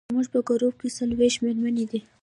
زموږ په ګروپ کې څلوېښت مېرمنې دي.